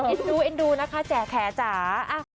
เอ็นดูเอ็นดูนะคะแข่แข่จ๋า